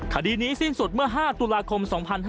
คดีนี้สิ้นสุดเมื่อ๕ตุลาคม๒๕๕๙